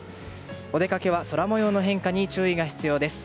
お出かけは空模様の変化に注意が必要です。